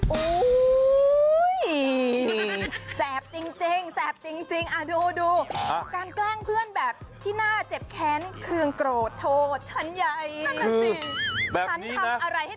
อุ้ยแซ่บจริงแซ่บจริงดูการแกล้งเพื่อนแบบที่หน้าเจ็บแค้นเครื่องโกรธโทษชั้นใหญ่